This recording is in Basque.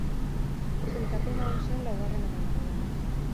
Sailkapen nagusian laugarren amaitu du.